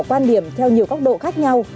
quan điểm theo nhiều góc độ khác nhau